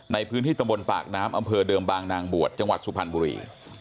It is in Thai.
ในพื้นที่ตำบลปากน้ำอำเภอเดิมบางนางบวชจังหวัดสุพรรณบุรี